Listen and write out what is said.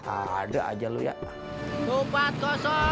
ada aja lo ya pak